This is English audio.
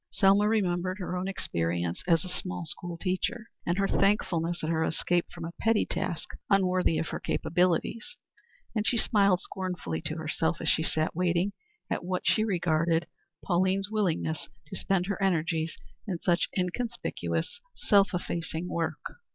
Selma remembered her own experience as a small school teacher, and her thankfulness at her escape from a petty task unworthy of her capabilities, and she smiled scornfully to herself, as she sat waiting, at what she regarded Pauline's willingness to spend her energies in such inconspicuous, self effacing work.